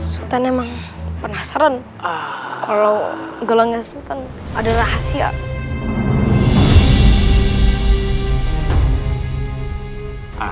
sultan emang penasaran kalau golongan sultan ada rahasia